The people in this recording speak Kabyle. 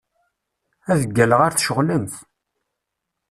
Ad d-ggalleɣ ar tceɣlemt.